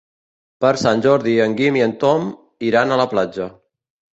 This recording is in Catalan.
Per Sant Jordi en Guim i en Tom iran a la platja.